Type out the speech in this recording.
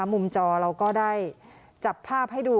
จอเราก็ได้จับภาพให้ดู